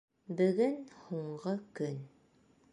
Бөгөн һуңғы көн.